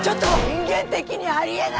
人間的にありえない。